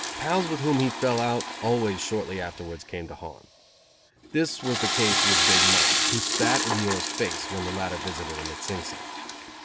Pals with whom he fell out, always shortly afterwards came to harm. That was the case with Big Mike, who spat in Muir's face, when the latter visited him in Sing Sing.